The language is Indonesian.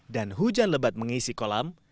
dan hujan lebat mengisi kolam